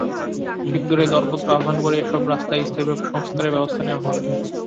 শিগগিরই দরপত্র আহ্বান করে এসব রাস্তায় স্থায়ীভাবে সংস্কারের ব্যবস্থা নেওয়া হবে।